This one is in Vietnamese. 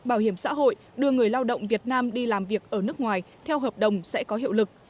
bảo hiểm xã hội đưa người lao động việt nam đi làm việc ở nước ngoài theo hợp đồng sẽ có hiệu lực